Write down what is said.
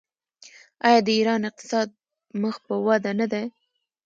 آیا د ایران اقتصاد مخ په وده نه دی؟